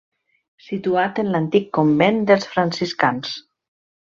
Situat en l'antic convent dels franciscans.